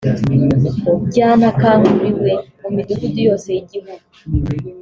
ryanakanguriwe mu midugudu yose y’igihugu